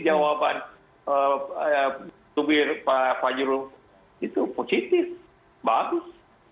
jawaban tumir fajro itu positif bagus